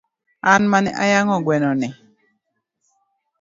An mane ayang'o gweno ni